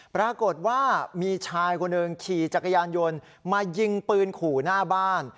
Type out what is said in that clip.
ปรากฏว่ามีชายคนหนึ่งขี่จักรยานยนต์มายิงปืนขู่หน้าบ้าน